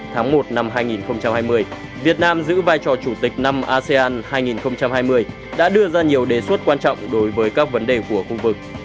tháng một năm hai nghìn hai mươi việt nam giữ vai trò chủ tịch năm asean hai nghìn hai mươi đã đưa ra nhiều đề xuất quan trọng đối với các vấn đề của khu vực